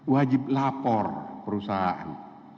wajib lapor perusahaan